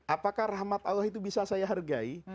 apakah rahmat allah itu bisa saya hargai